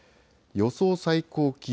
予想最高気温。